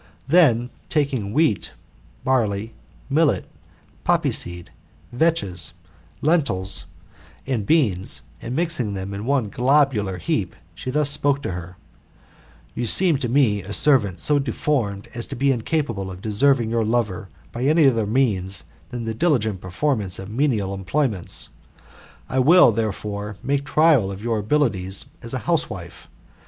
Then taking wheat, barley, millet, poppy seed, vetches, lentils, and beans, and, mixing them iiito one globular heap, she thus spoke to her: '*You seem to me a servant so deformed, as to be incapable of deserving your lover by any other means than the diligent performance of menial employments. I will, therefore, myself make trial of your abilities as a housewife.